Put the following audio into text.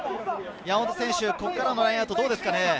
ここからのラインアウト、どうですかね？